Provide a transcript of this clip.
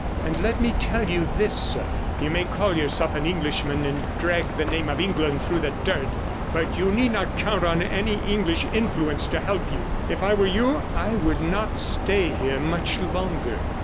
And let me tell you this, sir, you may call yourself an Englishman, and drag the name of England through the dirt, but you need not count on any English influence to help you. If I were you, I would not stay here much longer.'